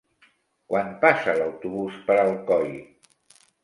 Quan passa l'autobús per Alcoi?